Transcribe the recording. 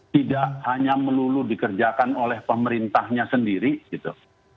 tidak hanya melulu dikerjakan oleh pemerintahnya sendiri gitu